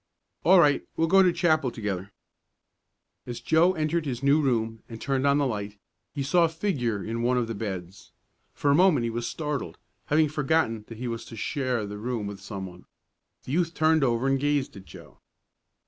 "All right. We'll go to chapel together." As Joe entered his new room, and turned on the light, he saw a figure in one of the beds. For a moment he was startled, having forgotten that he was to share the room with someone. The youth turned over and gazed at Joe.